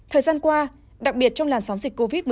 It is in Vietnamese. thời gian qua đặc biệt trong làn sóng dịch covid